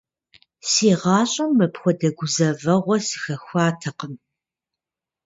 Си гъащӀэм мыпхуэдэ гузэвэгъуэ сыхэхуатэкъым.